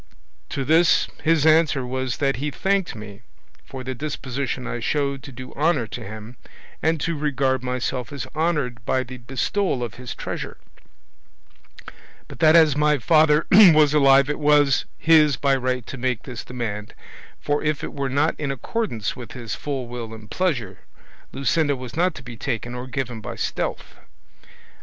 To this his answer was that he thanked me for the disposition I showed to do honour to him and to regard myself as honoured by the bestowal of his treasure; but that as my father was alive it was his by right to make this demand, for if it were not in accordance with his full will and pleasure, Luscinda was not to be taken or given by stealth.